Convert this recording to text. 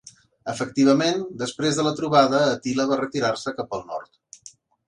Efectivament després de la trobada Àtila va retirar-se cap al nord.